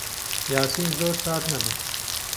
یاسین زۆر سارد نەبوو.